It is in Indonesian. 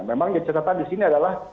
memang yang dicatatan disini adalah